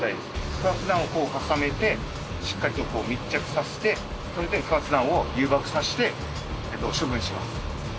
不発弾をこう重ねて、しっかりと密着させて、それで不発弾を誘爆させて処分します。